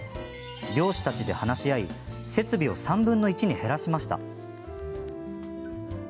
漁師たちで話し合い設備を３分の１に減らしました。